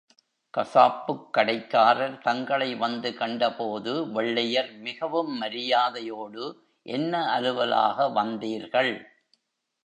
கசாப்புக் கடைக்காரர் தங்களைவந்து கண்டபோது, வெள்ளையர் மிகவும் மரியாதையோடு, என்ன அலுவலாக வந்தீர்கள்?